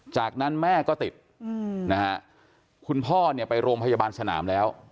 จากนั้นแม่ก็ติดคุณพ่อไปโรงพยาบาลสนามแล้ว